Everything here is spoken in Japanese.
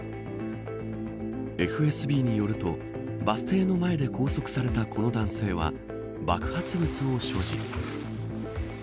ＦＳＢによるとバス停の前で拘束されたこの男性は爆発物を所持。